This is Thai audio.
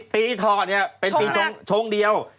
ปีทอเป็นปีชงเดียว